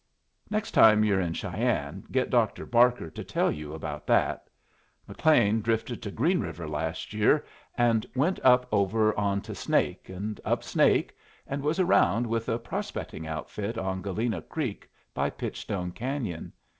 Next time you're in Cheyenne get Dr. Barker to tell you about that. McLean drifted to Green River last year and went up over on to Snake, and up Snake, and was around with a prospecting outfit on Galena Creek by Pitchstone Canyon.